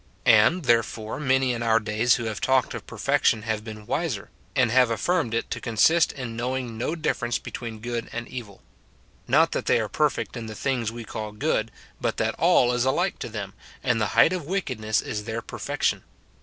And, therefore, many in our days wlio have talked of perfection have been wiser, and have affirmed it to consist in knowing no difference between good and evil. Not that they are perfect in the things we call good, but that all is alike to them, and the height of wickedness is their perfection.